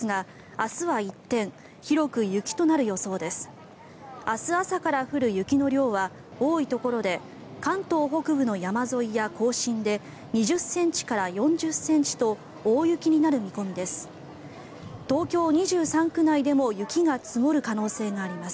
明日朝から降る雪の量は多いところで関東北部の山沿いや甲信で２０ｃｍから４０ｃｍと大雪になる見込みです。